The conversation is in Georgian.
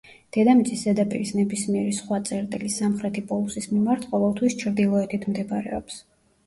დედამიწის ზედაპირის ნებისმიერი სხვა წერტილი სამხრეთი პოლუსის მიმართ ყოველთვის ჩრდილოეთით მდებარეობს.